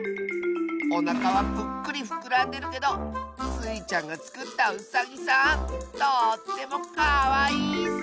おなかはプックリふくらんでるけどスイちゃんがつくったウサギさんとってもかわいいッス！